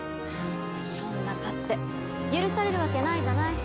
そんな勝手許されるわけないじゃない。